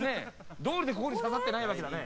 どおりでここに刺さってないわけだね。